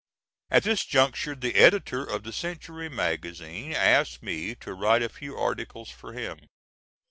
At this juncture the editor of the Century Magazine asked me to write a few articles for him.